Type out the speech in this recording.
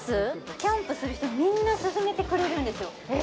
キャンプする人にみんな薦めてくれるんですよ